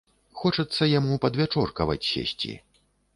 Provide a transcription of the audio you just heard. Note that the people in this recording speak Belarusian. Хочацца яму падвячоркаваць сесці.